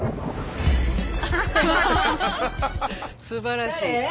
すばらしい。